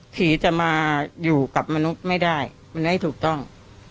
ผีจะมาอยู่กับมนุษย์ไม่ได้มันให้ถูกต้อง